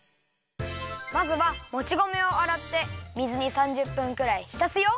まずはもち米をあらって水に３０分くらいひたすよ！